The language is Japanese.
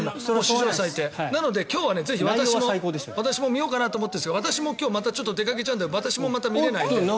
なので、今日はぜひ私も見ようかなと思ってるんですが私も今日また出かけちゃうので見られないんですけど。